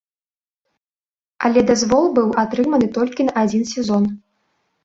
Але дазвол быў атрыманы толькі на адзін сезон.